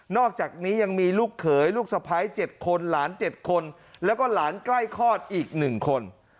อกจากนี้ยังมีลูกเขยลูกสะพ้าย๗คนหลาน๗คนแล้วก็หลานใกล้คลอดอีก๑คน